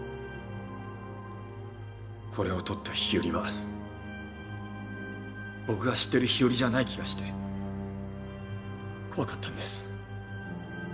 これを撮った日和は僕が知ってる日和じゃない気がして怖かったんです。